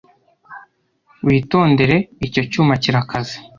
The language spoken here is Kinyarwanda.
witondere. icyo cyuma kirakaze